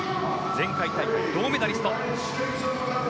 前回大会銅メダリスト。